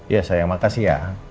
iya sayang makasih ya